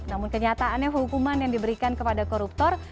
namun kenyataannya hukuman yang diberikan kepada koruptor